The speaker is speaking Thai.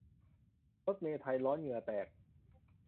รถเมล์ไทยร้อนเหงื่อแตก